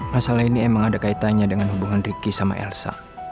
masalah ini emang ada kaitannya dengan hubungan ricky sama elsa